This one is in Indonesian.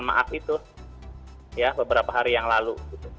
maaf itu ya beberapa hari yang lalu